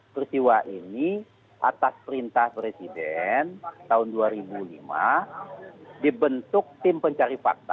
peristiwa ini atas perintah presiden tahun dua ribu lima dibentuk tim pencari fakta